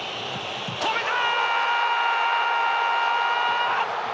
止めた！